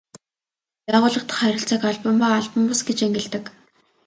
Байгууллага дахь харилцааг албан ба албан бус гэж ангилдаг.